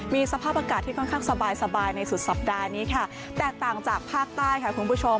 มีสภาพอากาศที่ค่อนข้างสบายในสุดสัปดาห์นี้ค่ะแตกต่างจากภาคใต้ค่ะคุณผู้ชม